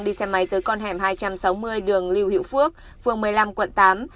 đi xe máy tới con hẻm hai trăm sáu mươi đường lưu hữu phước phường một mươi năm quận tám